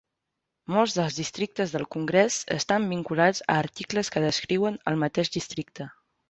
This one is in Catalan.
Molts dels districtes del congrés estan vinculats a articles que descriuen el mateix districte.